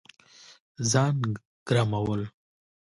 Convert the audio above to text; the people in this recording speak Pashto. ځان ګرمول